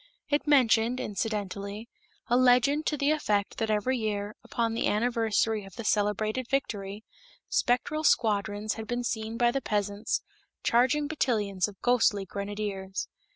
It mentioned, incidentally, a legend to the effect that every year, upon the anniversary of the celebrated victory, spectral squadrons had been seen by the peasants charging battalions of ghostly grenadiers.